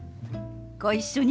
ご一緒に。